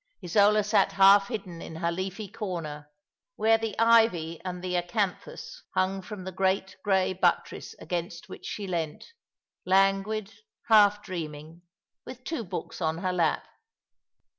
Isola sat half hidden in her leafy corner, where the ivy and the acanthus hung from the great grey buttress against which she leant, languid, half dreaming, with two books on her lap.